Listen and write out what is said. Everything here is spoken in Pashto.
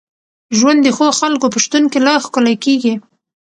ژوند د ښو خلکو په شتون کي لا ښکلی کېږي.